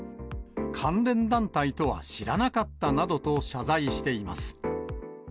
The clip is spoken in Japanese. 関連団体とは知らなかったなどと謝罪しています。